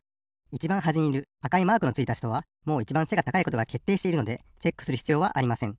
いちばんはじにいるあかいマークのついたひとはもういちばん背が高いことがけっていしているのでチェックするひつようはありません。